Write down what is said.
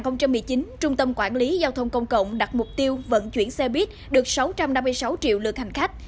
năm hai nghìn một mươi chín trung tâm quản lý giao thông công cộng đặt mục tiêu vận chuyển xe buýt được sáu trăm năm mươi sáu triệu lượt hành khách